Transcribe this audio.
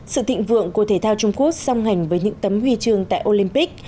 sự thịnh vượng của thể thao trung quốc song hành với những tấm huy chương tại olympic